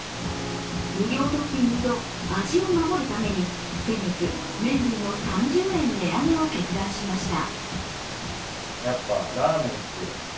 無料トッピングと味を守るために先月麺類の３０円値上げを決断しました。